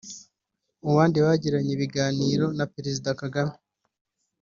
Mu bandi bagiranye ibiganiro na Perezida Kagame